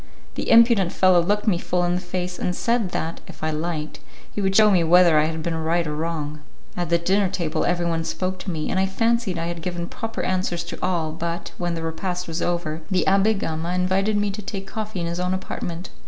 The impudent fellow looked me full in the face, and said that, if I liked, he would shew me whether I had been right or wrong. At the dinner table everyone spoke to me, and I fancied I had given proper answers to all, but, when the repast was over, the Abbé Gama invited me to take coffee in his own apartment.